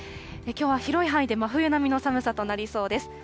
きょうは広い範囲で真冬並みの寒さとなりそうです。